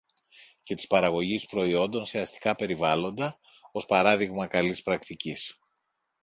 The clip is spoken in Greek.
και της παραγωγής προϊόντων σε αστικά περιβάλλοντα, ως παράδειγμα καλής πρακτικής